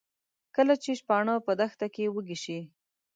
کله چې شپانه په دښته کې وږي شي.